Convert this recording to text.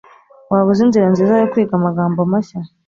Waba uzi inzira nziza yo kwiga amagambo mashya?